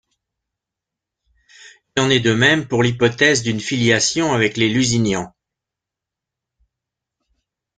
Il en est de même pour l'hypothèse d'une filiation avec les Lusignan.